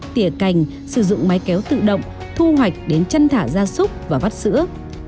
tỉa cành sử dụng máy kéo tự động thu hoạch đến chân thả da súc và vắt sữa